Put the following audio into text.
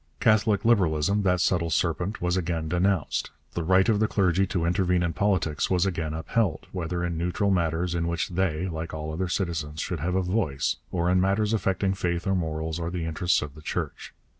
Catholic Liberalism, that subtle serpent, was again denounced. The right of the clergy to intervene in politics was again upheld, whether in neutral matters in which they, like all other citizens, should have a voice, or in matters affecting faith or morals or the interests of the Church.